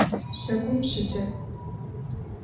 Щагум щыджэгу!